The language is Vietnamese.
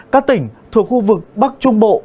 các tỉnh thuộc khu vực bắc trung bộ